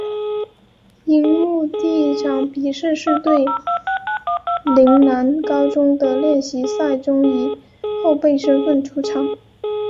樱木第一场比赛是对陵南高中的练习赛中以后备身份出场。